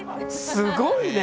すごいね。